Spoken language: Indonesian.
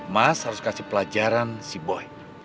mas harus kasih pelajaran si boy